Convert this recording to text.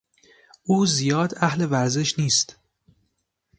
او زیاد اهل ورزش نیست.